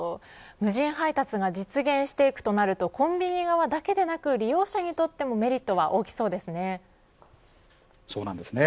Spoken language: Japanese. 無人配達が実現していくとなるとコンビニ側だけでなく利用者にとってもそうなんですね。